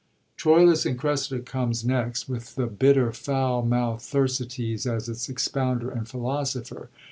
Troilvs and Cressida comes next, with the bitter, foul moutht Thersites as its expounder and philosopher.